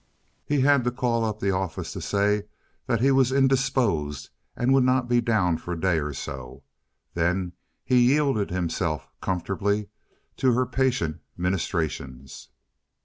He had to call up the office to say that he was indisposed and would not be down for a day or so; then he yielded himself comfortably to her patient ministrations.